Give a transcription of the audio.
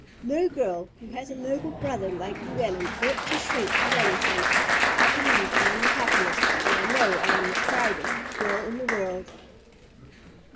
No girl who has a noble brother like Llewellyn ought to shrink at anything. I believe I am the happiest, and I know I am the proudest, girl in the world."